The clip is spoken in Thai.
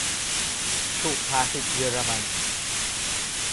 -สุภาษิตเยอรมัน